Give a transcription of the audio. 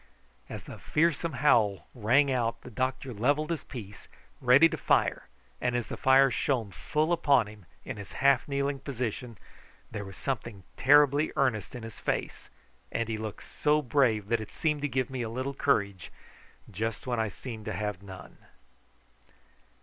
As the fearsome howl rang out the doctor levelled his piece, ready to fire, and as the fire shone full upon him in his half kneeling position there was something terribly earnest in his face, and he looked so brave that it seemed to give me a little courage just when I seemed to have none.